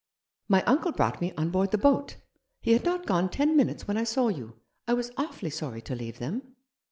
My uncle brought me on board the boat. He had not gone ten minutes when I saw you. I was awfully sorry to leave them."